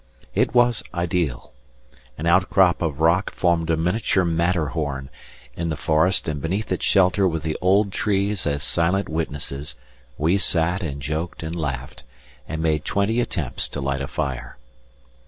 It was ideal. An outcrop of rock formed a miniature Matterhorn in the forest, and beneath its shelter with the old trees as silent witnesses we sat and joked and laughed, and made twenty attempts to light a fire.